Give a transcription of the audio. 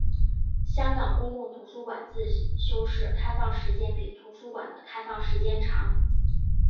香港公共图书馆自修室开放时间比图书馆的开放时间长。